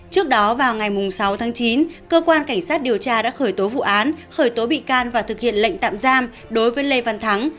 trước đó vào ngày sáu tháng chín cơ quan cảnh sát điều tra đã khởi tố vụ án khởi tố bị can và thực hiện lệnh tạm giam đối với lê văn thắng